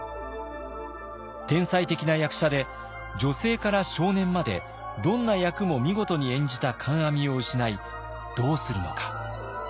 天才的な役者で女性から少年までどんな役も見事に演じた観阿弥を失いどうするのか。